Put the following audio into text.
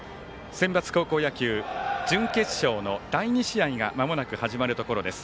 センバツ高校野球準決勝の第２試合がまもなく始まるところです。